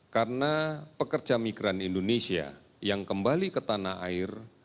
karena pekerja migran indonesia yang kembali ke tanah air